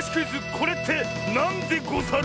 「これってなんでござる」。